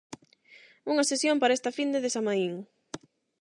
Unha sesión para esta finde de Samaín.